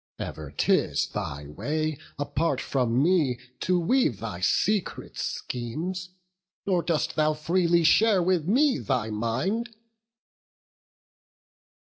ever 'tis thy way Apart from me to weave thy secret schemes, Nor dost thou freely share with me thy mind."